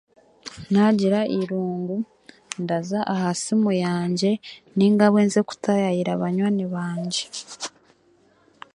Naagira eirungu, ndaza aha simu yangye naingabwe nze kutaayayira banywani bangye